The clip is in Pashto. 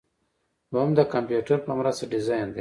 دوهم د کمپیوټر په مرسته ډیزاین دی.